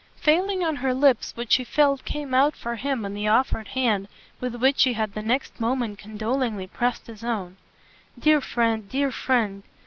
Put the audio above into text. Failing on her lips what she felt came out for him in the offered hand with which she had the next moment condolingly pressed his own. "Dear friend, dear friend!"